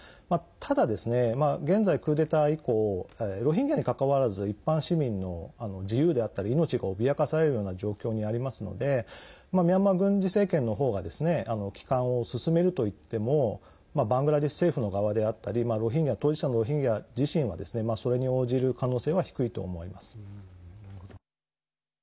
ただ現在、クーデター以降ロヒンギャにかかわらず一般市民の自由であったり命が脅かされるような状況にありますのでミャンマー軍事政権の方が帰還を進めるといってもバングラデシュ政府の側であったり当事者のロヒンギャ自身はですねそれに応じる可能性は低いと思います。